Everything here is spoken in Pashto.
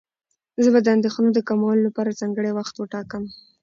زه به د اندېښنو د کمولو لپاره ځانګړی وخت وټاکم.